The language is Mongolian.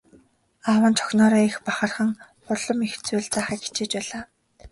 Аав нь ч охиноороо их бахархан улам их зүйл заахыг хичээж байлаа.